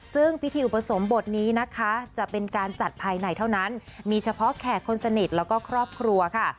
ซึ่งพิธีอุปสมบทนี้นะคะจะเป็นการจัดภายในเท่านั้นมีเฉพาะแขกคนสนิทแล้วก็ครอบครัวค่ะ